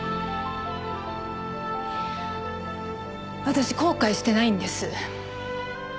私後悔してないんです。